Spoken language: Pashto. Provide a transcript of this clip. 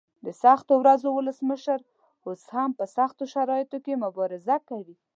د سختو ورځو ولسمشر اوس هم په سختو شرایطو کې مبارزه کوي.